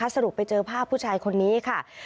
สรุปไปเจอภาพผู้ชายคนนี้ค่ะ